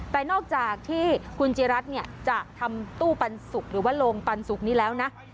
แต่นอกจากที่คุณจิรัตน์จะทำตู้ปันสุกหรือว่าโรงปันสุกนี้แล้วนะ